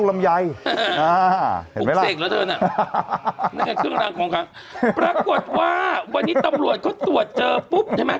แล้วเธอน่ะพรากฏว่าวันนี้ตำรวจเขาตรวจเจอปุ๊บใช่ไหม